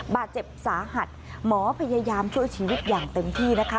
บาดเจ็บสาหัสหมอพยายามช่วยชีวิตอย่างเต็มที่นะคะ